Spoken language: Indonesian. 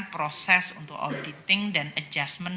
proses untuk auditing dan adjustment